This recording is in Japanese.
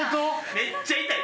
めっちゃ痛い！